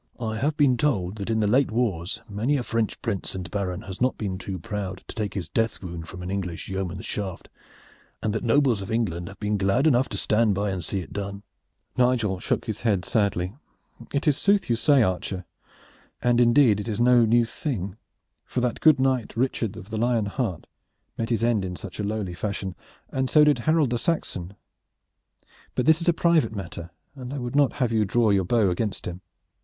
"I have been told that in the late wars many a French prince and baron has not been too proud to take his death wound from an English yeoman's shaft, and that nobles of England have been glad enough to stand by and see it done." Nigel shook his head sadly. "It is sooth you say, archer, and indeed it is no new thing, for that good knight Richard of the Lion Heart met his end in such a lowly fashion, and so also did Harold the Saxon. But this is a private matter, and I would not have you draw your bow against him.